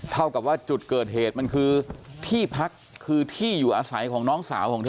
เท่ากับว่าจุดเกิดเหตุมันคือที่พักคือที่อยู่อาศัยของน้องสาวของเธอ